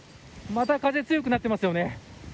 また風が強くなっていますよね。